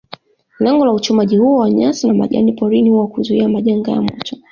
Lengo la uchomaji huo wa nyasi na majani porini huwa kuzuia majanga ya moto